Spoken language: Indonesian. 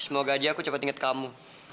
semoga aja aku cepat inget kamu